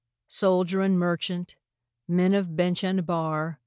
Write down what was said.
Soldier and merchant, men of bench and bar.